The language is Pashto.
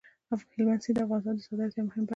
هلمند سیند د افغانستان د صادراتو یوه مهمه برخه ده.